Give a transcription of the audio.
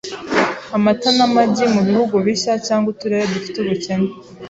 amata n’amagi mu bihugu bishya cyangwa uturere dufite ubukene